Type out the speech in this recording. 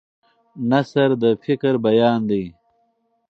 نثر د فکر بیان دی.